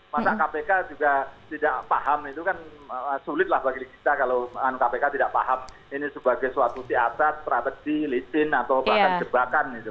masa kpk juga tidak paham itu kan sulit lah bagi kita kalau kpk tidak paham ini sebagai suatu siasat strategi licin atau bahkan jebakan gitu